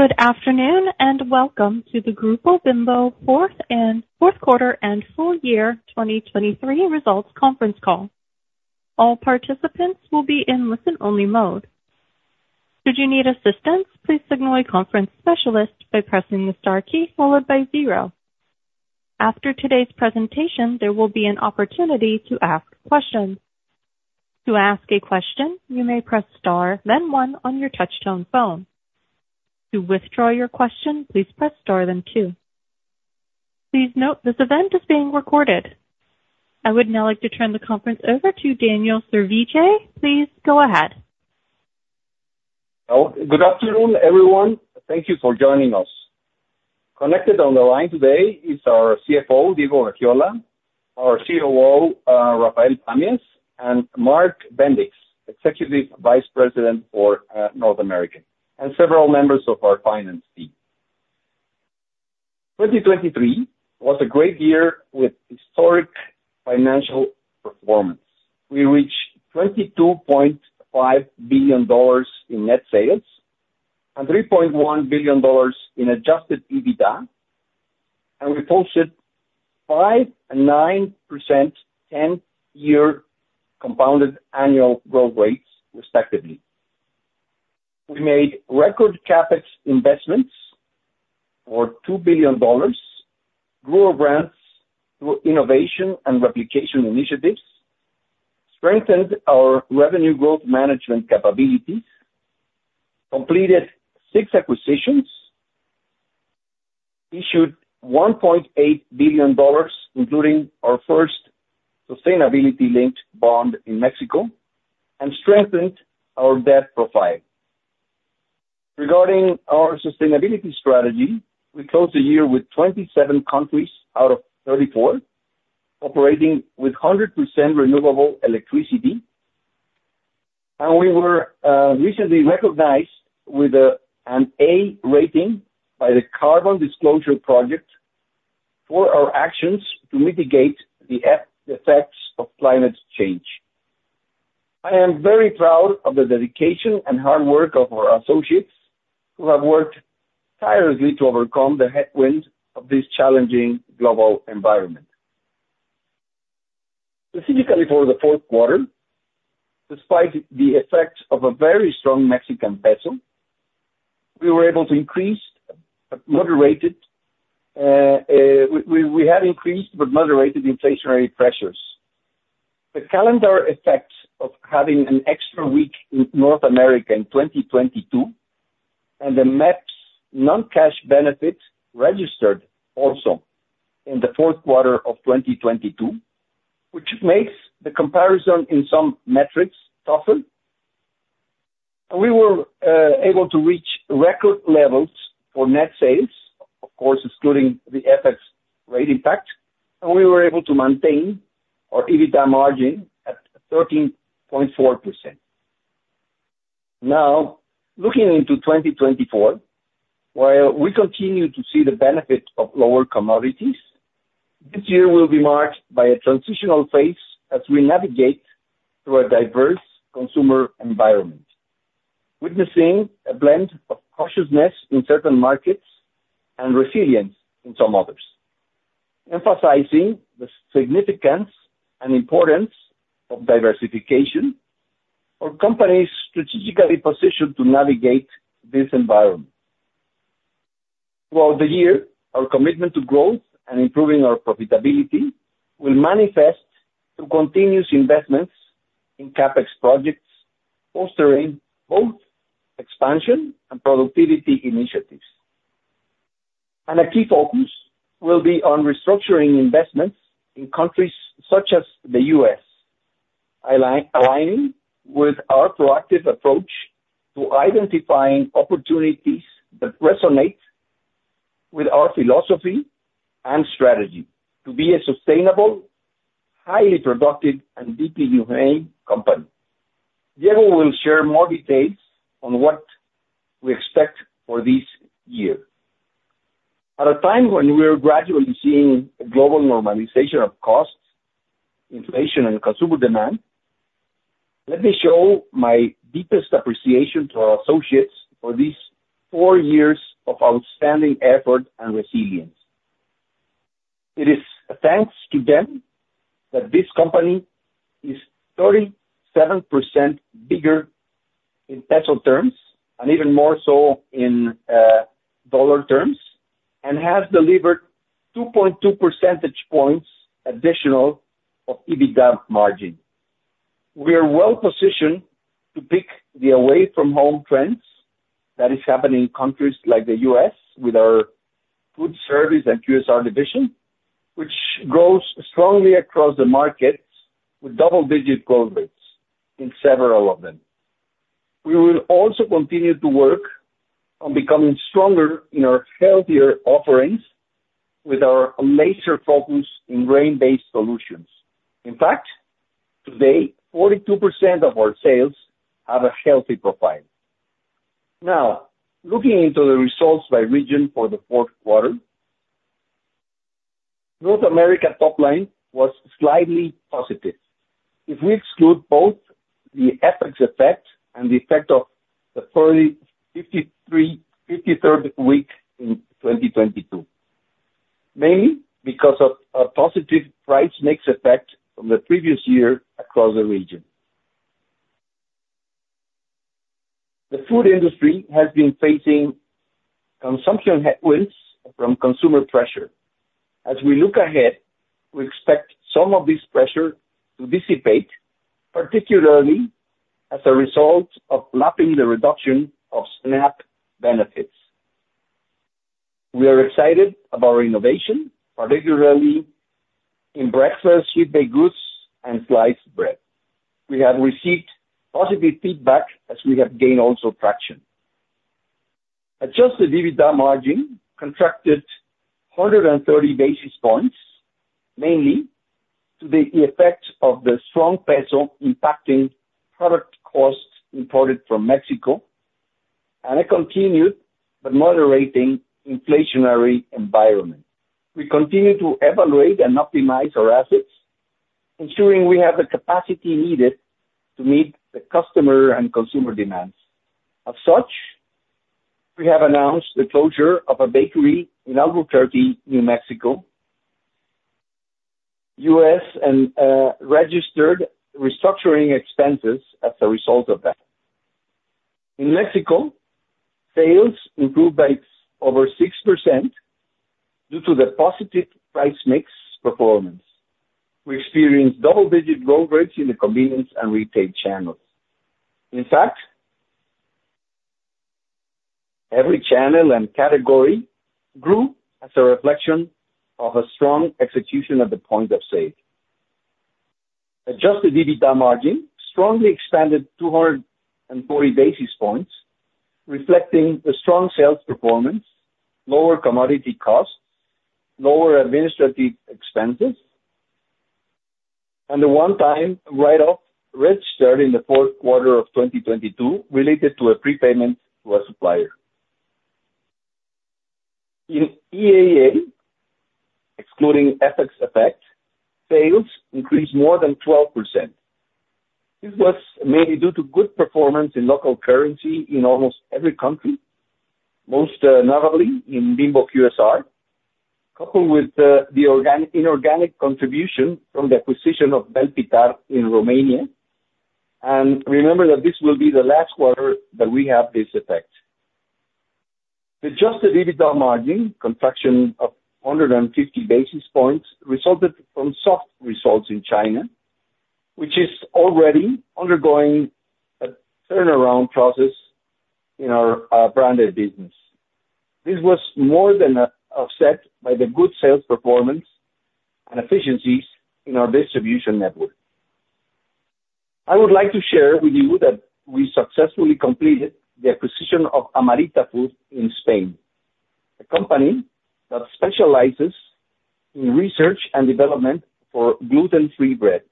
Good afternoon, and welcome to the Grupo Bimbo fourth quarter and full year 2023 results conference call. All participants will be in listen-only mode. Should you need assistance, please signal a conference specialist by pressing the star key followed by zero. After today's presentation, there will be an opportunity to ask questions. To ask a question, you may press Star, then one on your touchtone phone. To withdraw your question, please press Star, then two. Please note, this event is being recorded. I would now like to turn the conference over to Daniel Servitje. Please go ahead. Oh, good afternoon, everyone. Thank you for joining us. Connected on the line today is our CFO, Diego Gaxiola, our COO, Rafael Pamias, and Mark Bendix, Executive Vice President for North America, and several members of our finance team. 2023 was a great year with historic financial performance. We reached $22.5 billion in net sales and $3.1 billion in adjusted EBITDA, and we posted 5% and 9% 10-year compounded annual growth rates, respectively. We made record CapEx investments for $2 billion, grew our brands through innovation and replication initiatives, strengthened our revenue growth management capabilities, completed six acquisitions, issued $1.8 billion, including our first sustainability-linked bond in Mexico, and strengthened our debt profile. Regarding our sustainability strategy, we closed the year with 27 countries out of 34, operating with 100% renewable electricity, and we were recently recognized with an A rating by the Carbon Disclosure Project for our actions to mitigate the effects of climate change. I am very proud of the dedication and hard work of our associates, who have worked tirelessly to overcome the headwinds of this challenging global environment. Specifically for the fourth quarter, despite the effect of a very strong Mexican peso, we had increased but moderated inflationary pressures. The calendar effect of having an extra week in North America in 2022 and the MEPPs non-cash benefit registered also in the fourth quarter of 2022, which makes the comparison in some metrics tougher. And we were able to reach record levels for net sales, of course, excluding the FX rate impact, and we were able to maintain our EBITDA margin at 13.4%. Now, looking into 2024, while we continue to see the benefit of lower commodities, this year will be marked by a transitional phase as we navigate through a diverse consumer environment, witnessing a blend of cautiousness in certain markets and resilience in some others, emphasizing the significance and importance of diversification for companies strategically positioned to navigate this environment. Throughout the year, our commitment to growth and improving our profitability will manifest through continuous investments in CapEx projects, fostering both expansion and productivity initiatives. And a key focus will be on restructuring investments in countries such as the U.S., aligning with our proactive approach to identifying opportunities that resonate with our philosophy and strategy to be a sustainable, highly productive and deeply humane company. Diego will share more details on what we expect for this year. At a time when we are gradually seeing a global normalization of costs, inflation and consumer demand, let me show my deepest appreciation to our associates for these four years of outstanding effort and resilience. It is thanks to them that this company is 37% bigger in peso terms, and even more so in dollar terms, and has delivered 2.2 percentage points additional of EBITDA margin. We are well positioned to pick the away-from-home trends that is happening in countries like the U.S. with our food service and QSR division, which grows strongly across the markets with double-digit growth rates in several of them. We will also continue to work on becoming stronger in our healthier offerings with our major focus in grain-based solutions. In fact, today, 42% of our sales have a healthy profile. Now, looking into the results by region for the fourth quarter. North America top line was slightly positive. If we exclude both the FX effect and the effect of the 53rd week in 2022, mainly because of a positive price mix effect from the previous year across the region. The food industry has been facing consumption headwinds from consumer pressure. As we look ahead, we expect some of this pressure to dissipate, particularly as a result of lapping the reduction of SNAP benefits. We are excited about innovation, particularly in breakfast, sweet baked goods, and sliced bread. We have received positive feedback as we have gained also traction. Adjusted EBITDA margin contracted 100 basis points, mainly to the effect of the strong peso impacting product costs imported from Mexico, and a continued but moderating inflationary environment. We continue to evaluate and optimize our assets, ensuring we have the capacity needed to meet the customer and consumer demands. As such, we have announced the closure of a bakery in Albuquerque, New Mexico, US, and registered restructuring expenses as a result of that. In Mexico, sales improved by over 6% due to the positive price mix performance. We experienced double-digit growth rates in the convenience and retail channels. In fact, every channel and category grew as a reflection of a strong execution at the point of sale. Adjusted EBITDA margin strongly expanded 240 basis points, reflecting the strong sales performance, lower commodity costs, lower administrative expenses, and the one-time write-off registered in the fourth quarter of 2022 related to a prepayment to a supplier. In EAA, excluding FX effect, sales increased more than 12%. This was mainly due to good performance in local currency in almost every country, most notably in Bimbo QSR, coupled with the organic, inorganic contribution from the acquisition of Vel Pitar in Romania, and remember that this will be the last quarter that we have this effect. The adjusted EBITDA margin contraction of 150 basis points resulted from soft results in China, which is already undergoing a turnaround process in our branded business. This was more than offset by the good sales performance and efficiencies in our distribution network. I would like to share with you that we successfully completed the acquisition of Amaritta Food in Spain, a company that specializes in research and development for gluten-free bread.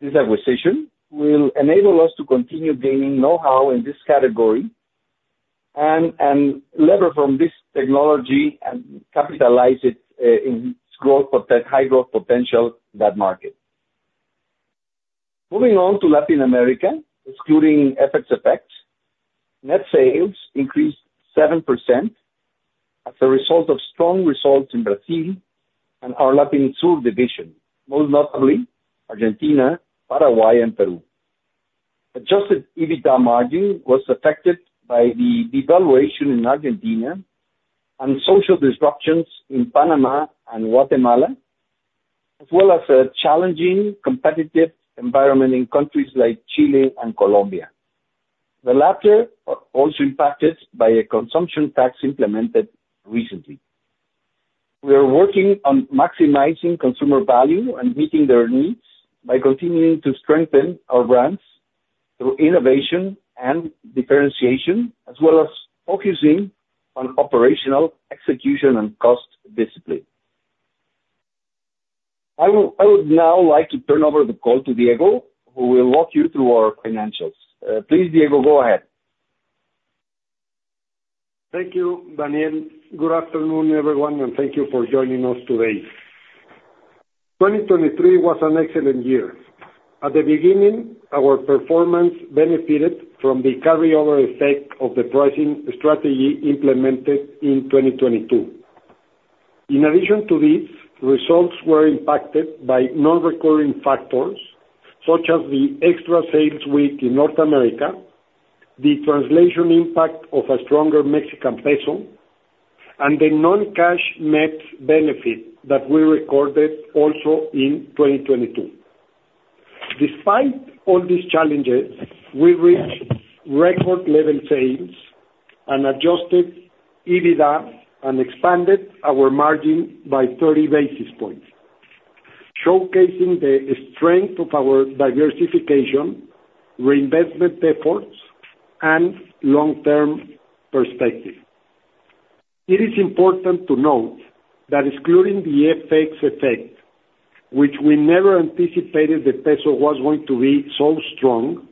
This acquisition will enable us to continue gaining know-how in this category and leverage from this technology and capitalize it in its high growth potential in that market. Moving on to Latin America, excluding FX effects, net sales increased 7% as a result of strong results in Brazil and our Latin South division, most notably Argentina, Paraguay, and Peru. Adjusted EBITDA margin was affected by the devaluation in Argentina and social disruptions in Panama and Guatemala, as well as a challenging competitive environment in countries like Chile and Colombia, the latter also impacted by a consumption tax implemented recently. We are working on maximizing consumer value and meeting their needs by continuing to strengthen our brands through innovation and differentiation, as well as focusing on operational execution and cost discipline. I would now like to turn over the call to Diego, who will walk you through our financials. Please, Diego, go ahead. Thank you, Daniel. Good afternoon, everyone, and thank you for joining us today. 2023 was an excellent year. At the beginning, our performance benefited from the carryover effect of the pricing strategy implemented in 2022. In addition to this, results were impacted by non-recurring factors, such as the extra sales week in North America, the translation impact of a stronger Mexican peso, and the non-cash net benefit that we recorded also in 2022. Despite all these challenges, we reached record level sales and Adjusted EBITDA and expanded our margin by 30 basis points, showcasing the strength of our diversification, reinvestment efforts, and long-term perspective. It is important to note that excluding the FX effect, which we never anticipated, the peso was going to be so strong,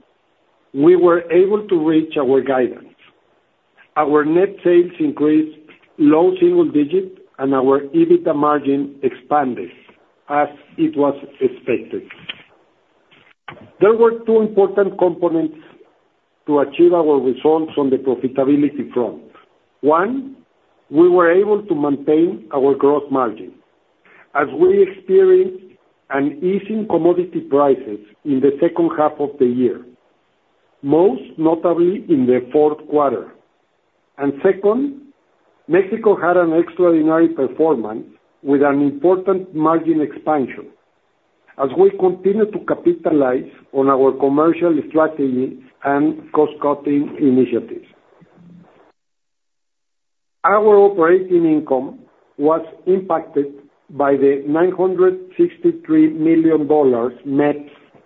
we were able to reach our guidance. Our net sales increased low single digit and our EBITDA margin expanded as it was expected. There were two important components to achieve our results on the profitability front. One, we were able to maintain our gross margin as we experienced an easing commodity prices in the second half of the year, most notably in the fourth quarter. And second, Mexico had an extraordinary performance with an important margin expansion as we continue to capitalize on our commercial strategy and cost-cutting initiatives. Our operating income was impacted by the $963 million net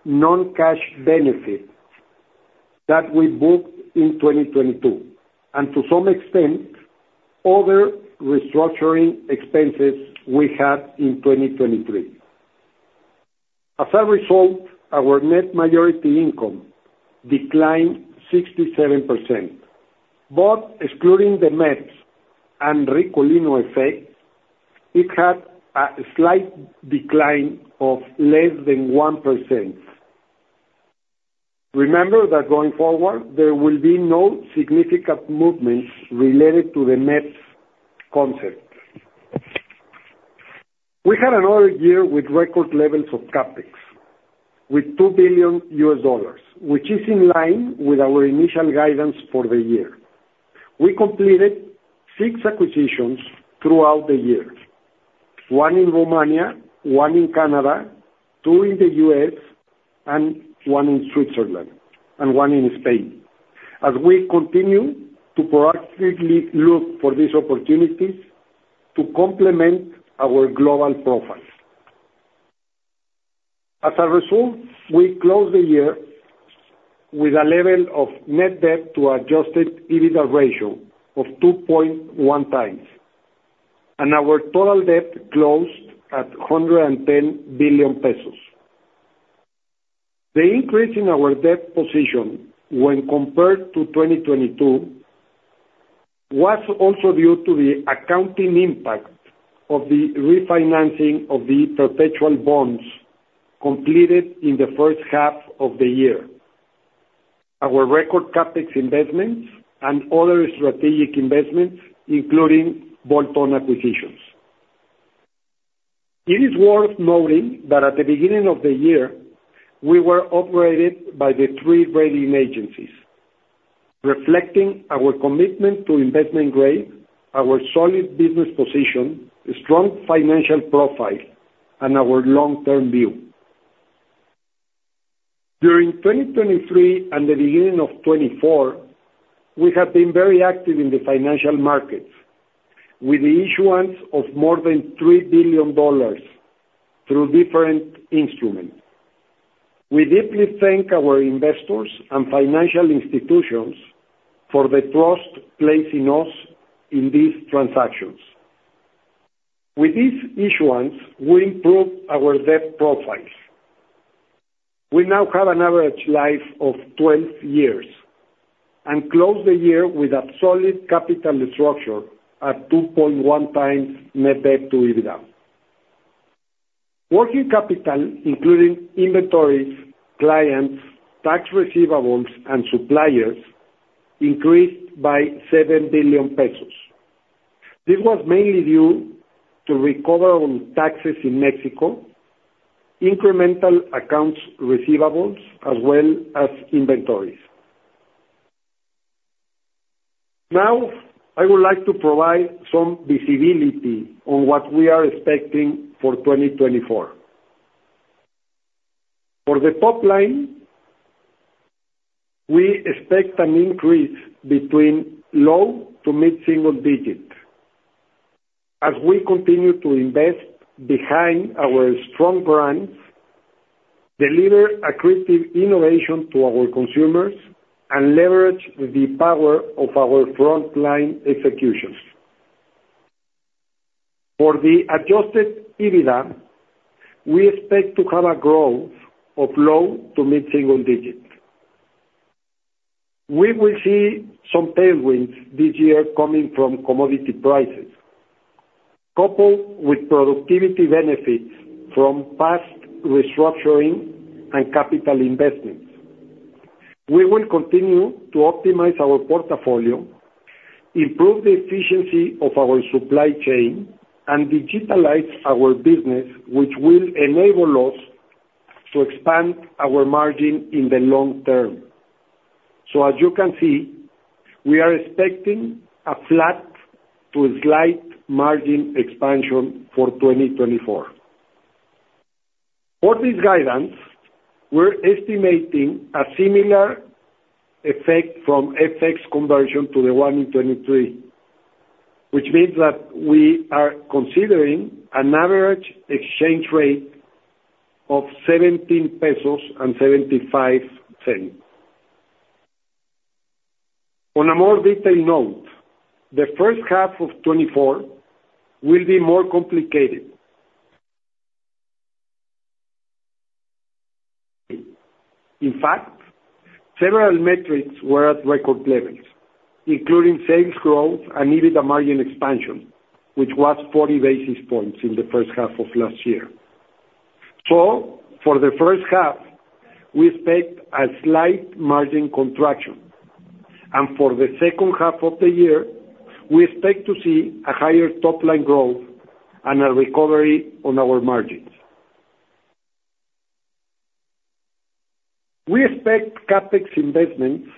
non-cash benefit that we booked in 2022, and to some extent, other restructuring expenses we had in 2023. As a result, our net majority income declined 67%, but excluding the MEPPs and Ricolino effect, it had a slight decline of less than 1%. Remember that going forward, there will be no significant movements related to the MEPPs concept. We had another year with record levels of CapEx, with $2 billion, which is in line with our initial guidance for the year. We completed six acquisitions throughout the year, one in Romania, one in Canada, two in the US, and one in Switzerland, and one in Spain. As we continue to proactively look for these opportunities to complement our global profile. As a result, we closed the year with a level of net debt to Adjusted EBITDA ratio of 2.1x, and our total debt closed at 110 billion pesos. The increase in our debt position when compared to 2022 was also due to the accounting impact of the refinancing of the perpetual bonds completed in the first half of the year. Our record CapEx investments and other strategic investments, including bolt-on acquisitions. It is worth noting that at the beginning of the year, we were upgraded by the three rating agencies, reflecting our commitment to investment grade, our solid business position, strong financial profile, and our long-term view. During 2023 and the beginning of 2024, we have been very active in the financial markets, with the issuance of more than $3 billion through different instruments. We deeply thank our investors and financial institutions for the trust placing us in these transactions. With this issuance, we improved our debt profiles. We now have an average life of 12 years and close the year with a solid capital structure at 2.1x net debt to EBITDA. Working capital, including inventories, clients, tax receivables, and suppliers, increased by 7 billion pesos. This was mainly due to recovery on taxes in Mexico, incremental accounts receivable, as well as inventories. Now, I would like to provide some visibility on what we are expecting for 2024. For the top line, we expect an increase between low to mid single digit as we continue to invest behind our strong brands, deliver accretive innovation to our consumers, and leverage the power of our frontline executions. For the adjusted EBITDA, we expect to have a growth of low to mid single digits. We will see some tailwinds this year coming from commodity prices, coupled with productivity benefits from past restructuring and capital investments. We will continue to optimize our portfolio, improve the efficiency of our supply chain, and digitalize our business, which will enable us to expand our margin in the long term. So as you can see, we are expecting a flat to a slight margin expansion for 2024. For this guidance, we're estimating a similar effect from FX conversion to the one in 2023, which means that we are considering an average exchange rate of 17.75 pesos. On a more detailed note, the first half of 2024 will be more complicated. In fact, several metrics were at record levels, including sales growth and EBITDA margin expansion, which was 40 basis points in the first half of last year. So for the first half, we expect a slight margin contraction, and for the second half of the year, we expect to see a higher top line growth and a recovery on our margins. We expect CapEx investments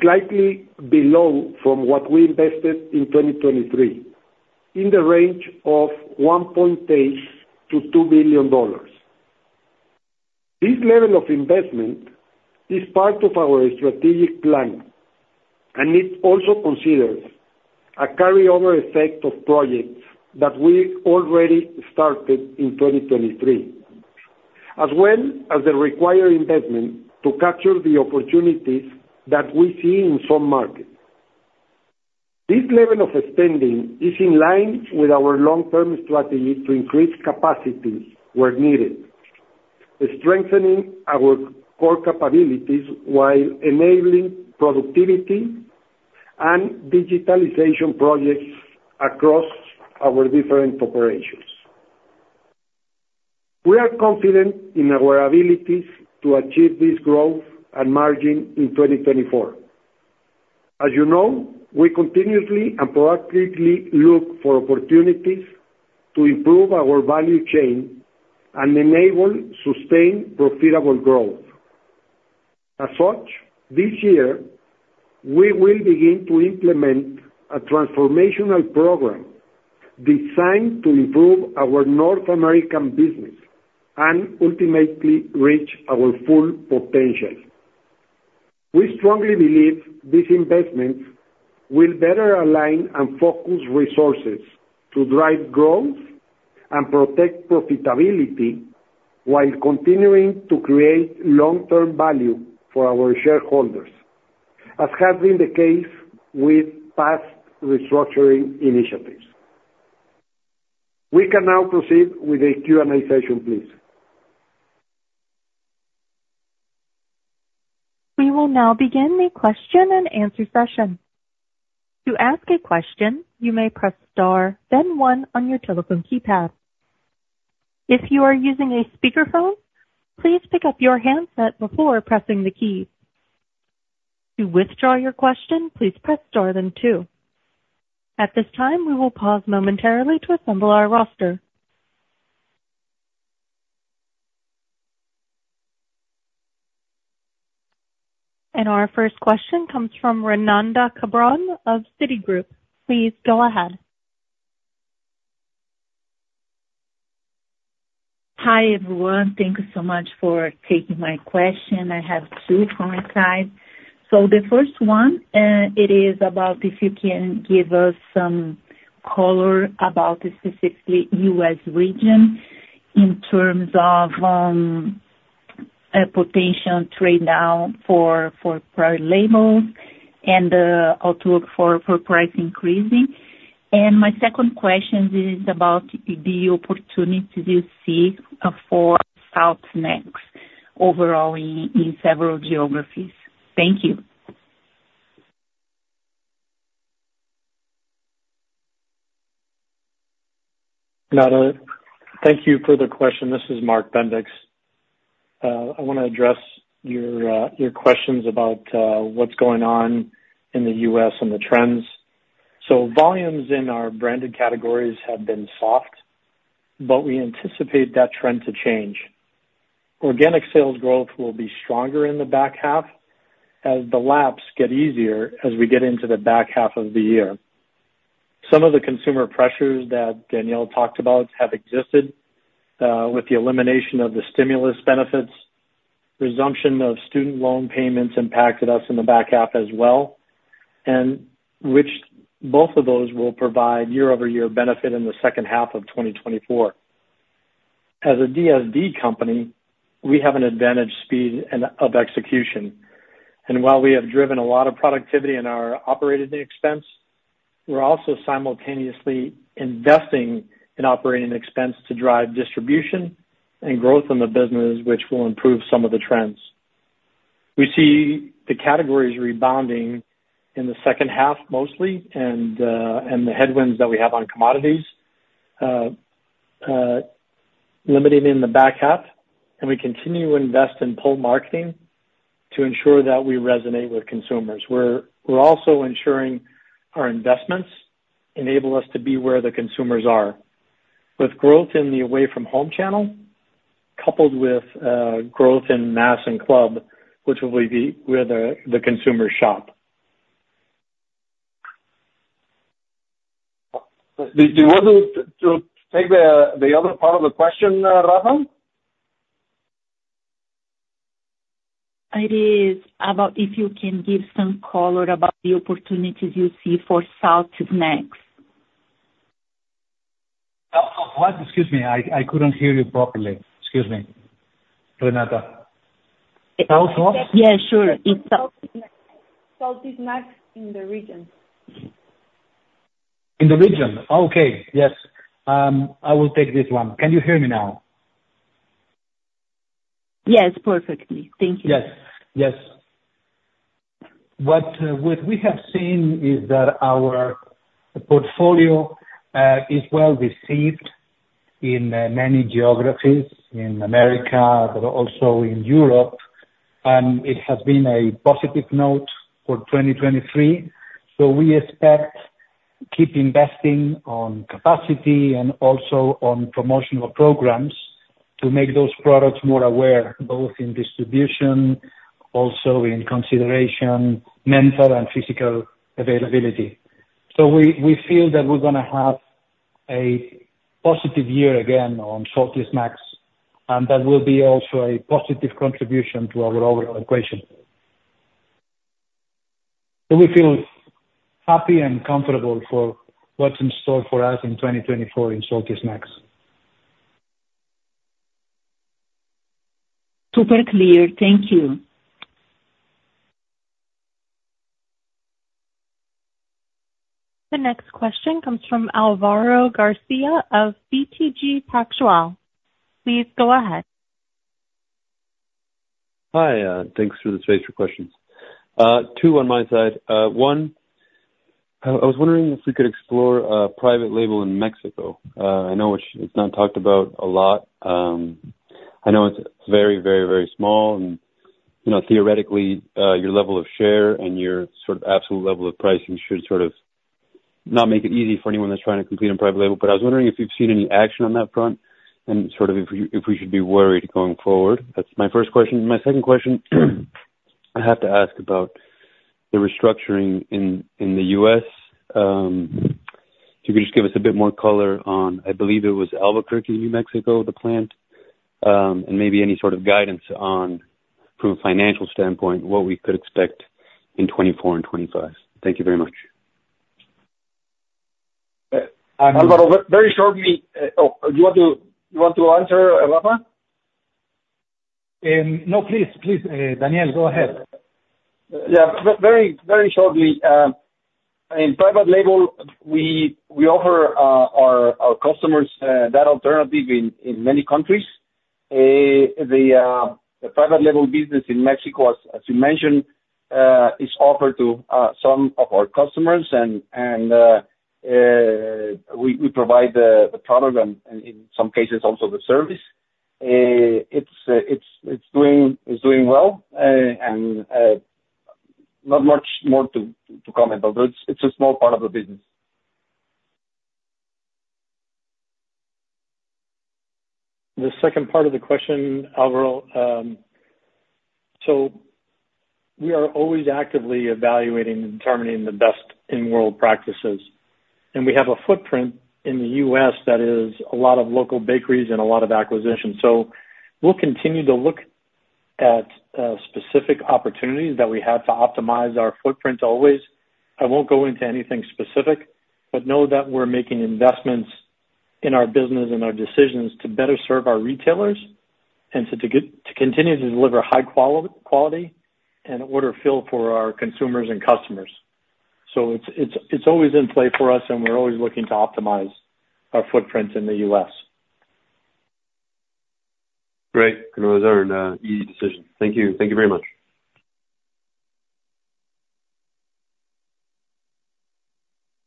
slightly below from what we invested in 2023, in the range of $1.8 billion-$2 billion. This level of investment is part of our strategic plan, and it also considers a carryover effect of projects that we already started in 2023, as well as the required investment to capture the opportunities that we see in some markets. This level of spending is in line with our long-term strategy to increase capacities where needed, strengthening our core capabilities while enabling productivity and digitalization projects across our different operations. We are confident in our abilities to achieve this growth and margin in 2024. As you know, we continuously and proactively look for opportunities to improve our value chain and enable sustained, profitable growth. As such, this year, we will begin to implement a transformational program designed to improve our North American business and ultimately reach our full potential. We strongly believe these investments will better align and focus resources to drive growth and protect profitability while continuing to create long-term value for our shareholders, as has been the case with past restructuring initiatives. We can now proceed with the Q&A session, please. We will now begin the question-and-answer session. To ask a question, you may press star then one on your telephone keypad. If you are using a speakerphone, please pick up your handset before pressing the key. To withdraw your question, please press star then two. At this time, we will pause momentarily to assemble our roster. Our first question comes from Renata Cabral of Citigroup. Please go ahead. Hi, everyone. Thank you so much for taking my question. I have two for my time. So the first one, it is about if you can give us some color about the specifically U.S. region in terms of a potential trade down for private labels and outlook for price increasing. And my second question is about the opportunity to see for Salty snacks overall in several geographies. Thank you. Renata, thank you for the question. This is Mark Bendix. I wanna address your questions about what's going on in the U.S. and the trends. So volumes in our branded categories have been soft, but we anticipate that trend to change. Organic sales growth will be stronger in the back half as the laps get easier as we get into the back half of the year. Some of the consumer pressures that Daniel talked about have existed with the elimination of the stimulus benefits. Resumption of student loan payments impacted us in the back half as well, and which both of those will provide year-over-year benefit in the second half of 2024. As a DSD company, we have an advantage speed and of execution, and while we have driven a lot of productivity in our operating expense, we're also simultaneously investing in operating expense to drive distribution and growth in the business, which will improve some of the trends. We see the categories rebounding in the second half mostly, and the headwinds that we have on commodities limiting in the back half, and we continue to invest in pull marketing to ensure that we resonate with consumers. We're also ensuring our investments enable us to be where the consumers are. With growth in the away from home channel, coupled with growth in mass and club, which will be where the consumers shop. Did you want to take the other part of the question, Rafa? It is about if you can give some color about the opportunities you see for salty snacks? What? Excuse me, I couldn't hear you properly. Excuse me, Renata. Yeah, sure. It's salty, salty snacks in the region. In the region? Okay, yes. I will take this one. Can you hear me now? Yes, perfectly. Thank you. Yes. Yes. What we have seen is that our portfolio is well received in many geographies in America, but also in Europe, and it has been a positive note for 2023. So we expect keep investing on capacity and also on promotional programs to make those products more aware, both in distribution, also in consideration, mental and physical availability. So we, we feel that we're gonna have a positive year again on Salty Snacks, and that will be also a positive contribution to our overall equation. So we feel happy and comfortable for what's in store for us in 2024 in Salty Snacks. Super clear. Thank you. The next question comes from Álvaro García of BTG Pactual. Please go ahead. Hi, thanks for the space for questions. Two on my side. One, I was wondering if we could explore private label in Mexico. I know it's not talked about a lot. I know it's very, very, very small and, you know, theoretically, your level of share and your sort of absolute level of pricing should sort of not make it easy for anyone that's trying to compete in private label. But I was wondering if you've seen any action on that front and sort of if we should be worried going forward? That's my first question. My second question, I have to ask about the restructuring in the U.S. If you could just give us a bit more color on, I believe it was Albuquerque, New Mexico, the plant? And maybe any sort of guidance on, from a financial standpoint, what we could expect in 2024 and 2025? Thank you very much. Álvaro, very shortly... Oh, you want to, you want to answer, Rafa? No, please, please, Daniel, go ahead. Yeah, very, very shortly. In private label, we offer our customers that alternative in many countries. The private label business in Mexico, as you mentioned, is offered to some of our customers, and we provide the product and in some cases, also the service. It's doing well. And not much more to comment, but it's a small part of the business. The second part of the question, Álvaro, so we are always actively evaluating and determining the best in-world practices. And we have a footprint in the U.S. that is a lot of local bakeries and a lot of acquisitions. So we'll continue to look at specific opportunities that we have to optimize our footprint always. I won't go into anything specific, but know that we're making investments in our business and our decisions to better serve our retailers and to continue to deliver high quality and order fill for our consumers and customers. So it's always in play for us, and we're always looking to optimize our footprint in the U.S. Great. It was an easy decision. Thank you. Thank you very much.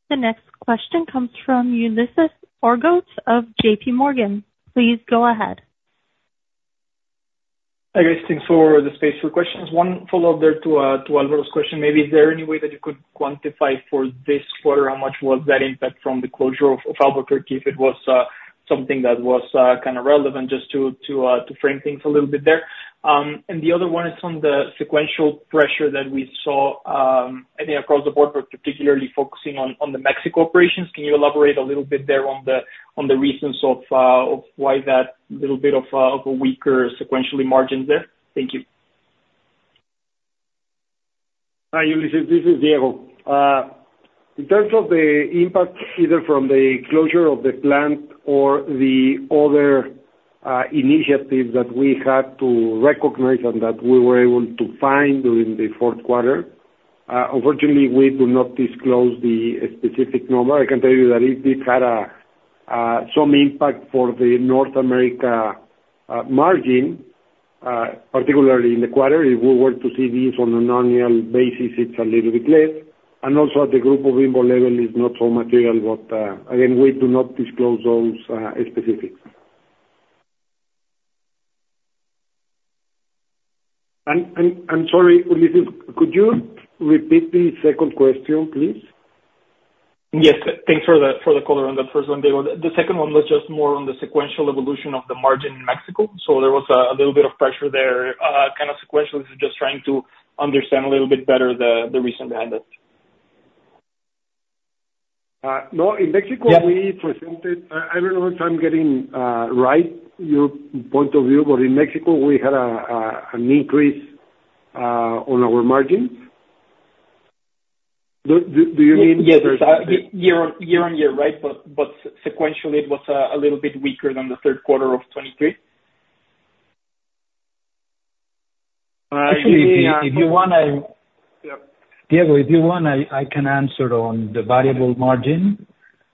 The next question comes from Ulises Argote of J.P. Morgan. Please go ahead. Hi, guys. Thanks for the space for questions. One follow-up there to Álvaro's question: maybe is there any way that you could quantify for this quarter, how much was that impact from the closure of Albuquerque, if it was something that was kind of relevant, just to frame things a little bit there? And the other one is on the sequential pressure that we saw, I think across the board, but particularly focusing on the Mexico operations. Can you elaborate a little bit there on the reasons of why that little bit of a weaker sequentially margin there? Thank you. Hi, Ulises, this is Diego. In terms of the impact, either from the closure of the plant or the other initiatives that we had to recognize and that we were able to find during the fourth quarter, unfortunately, we do not disclose the specific number. I can tell you that it did have some impact for the North America margin, particularly in the quarter. If we were to see this on an annual basis, it's a little bit less. And also, at the group overall level, it's not so material, but again, we do not disclose those specifics. I'm sorry, Ulises, could you repeat the second question, please? Yes. Thanks for the color on that first one, Diego. The second one was just more on the sequential evolution of the margin in Mexico. So there was a little bit of pressure there, kind of sequentially, just trying to understand a little bit better the reason behind it. No, in Mexico- Yeah We presented, I don't know if I'm getting right, your point of view, but in Mexico, we had an increase on our margins. Do you mean- Yes, year-on-year, right, but sequentially, it was a little bit weaker than the third quarter of 2023? Actually, if you want, Diego, if you want, I can answer on the variable margin.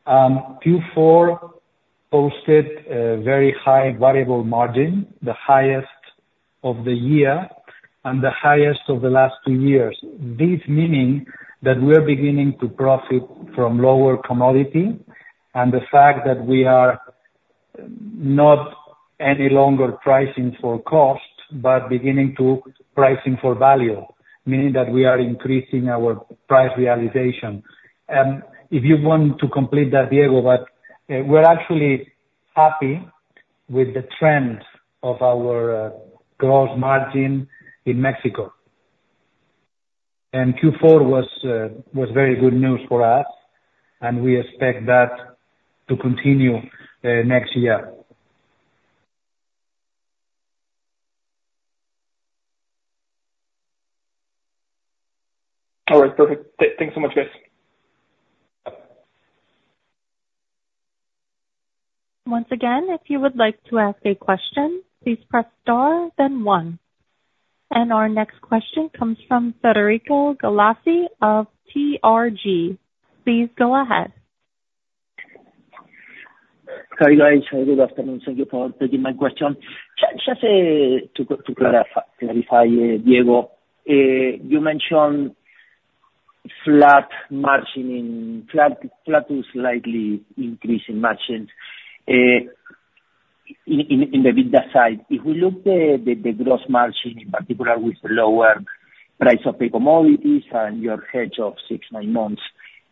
Q4 posted a very high variable margin, the highest of the year and the highest of the last two years. This meaning that we are beginning to profit from lower commodity and the fact that we are not any longer pricing for cost, but beginning to pricing for value, meaning that we are increasing our price realization. If you want to complete that, Diego, but we're actually happy with the trend of our gross margin in Mexico. And Q4 was very good news for us, and we expect that to continue next year. All right, perfect. Thanks so much, guys. Once again, if you would like to ask a question, please press Star then One. Our next question comes from Federico Galassi of TRG. Please go ahead. Hi, guys. Good afternoon. Thank you for taking my question. Just to clarify, Diego, you mentioned flat margin, flat to slightly increasing margins in the EBITDA side. If we look at the gross margin, in particular with the lower price of the commodities and your hedge of 6-9 months,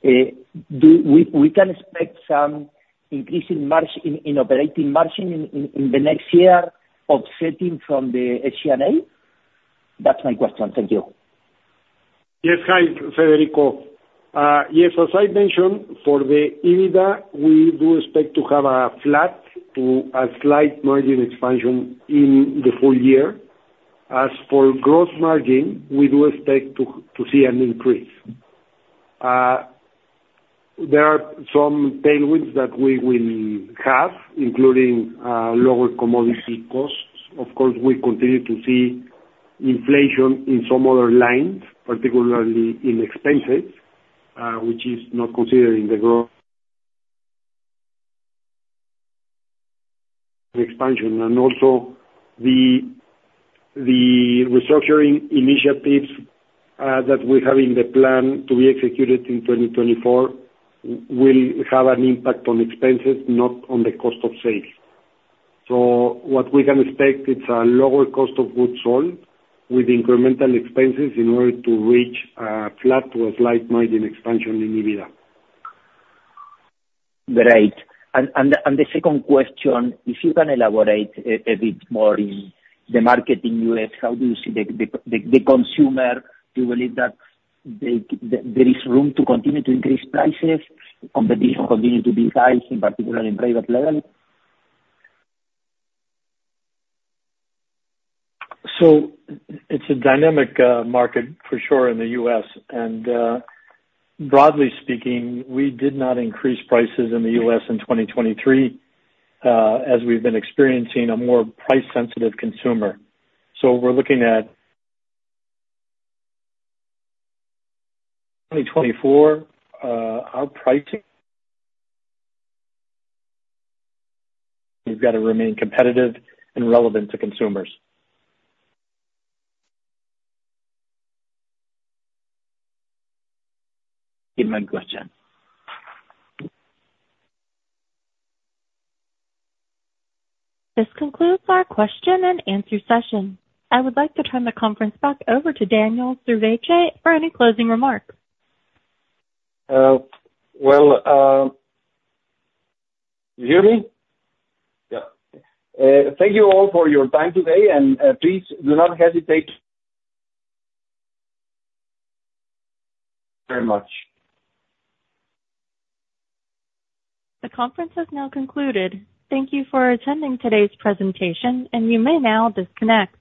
do we expect some increase in margin, in operating margin in the next year, offsetting from the SG&A? That's my question. Thank you. Yes. Hi, Federico. Yes, as I mentioned, for the EBITDA, we do expect to have a flat to a slight margin expansion in the full year. As for gross margin, we do expect to see an increase. There are some tailwinds that we will have, including lower commodity costs. Of course, we continue to see inflation in some other lines, particularly in expenses, which is not considering the expansion. And also the restructuring initiatives that we have in the plan to be executed in 2024 will have an impact on expenses, not on the cost of sales. So what we can expect, it's a lower cost of goods sold with incremental expenses in order to reach a flat to a slight margin expansion in EBITDA. Great. And the second question, if you can elaborate a bit more in the market in U.S., how do you see the consumer? Do you believe that there is room to continue to increase prices, competition continue to be high, in particular in private label? So it's a dynamic market for sure in the U.S. And, broadly speaking, we did not increase prices in the U.S. in 2023, as we've been experiencing a more price-sensitive consumer. So we're looking at 2024, our pricing. We've got to remain competitive and relevant to consumers. In my question. This concludes our question and answer session. I would like to turn the conference back over to Daniel Servitje for any closing remarks. Well, you hear me? Yeah. Thank you all for your time today, and please do not hesitate... Very much. The conference has now concluded. Thank you for attending today's presentation, and you may now disconnect.